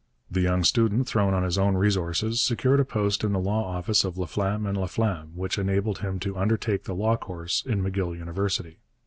The young student, thrown on his own resources, secured a post in the law office of Laflamme and Laflamme which enabled him to undertake the law course in M'Gill University.